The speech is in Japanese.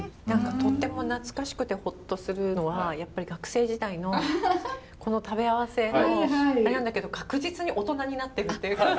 何かとっても懐かしくてホッとするのはやっぱり学生時代のこの食べ合わせのアレなんだけど確実に大人になってるっていう。